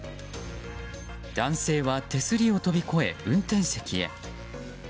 男性は手すりを飛び越え運転席へ。